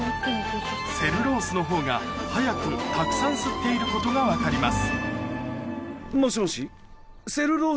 セルロースのほうが早くたくさん吸っていることが分かります